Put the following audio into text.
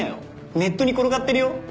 ネットに転がってるよ？